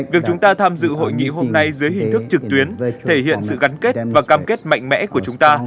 việc chúng ta tham dự hội nghị hôm nay dưới hình thức trực tuyến thể hiện sự gắn kết và cam kết mạnh mẽ của chúng ta